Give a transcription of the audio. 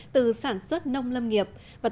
từ sản xuất nông lâm nghiệp